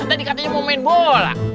tadi katanya mau main bola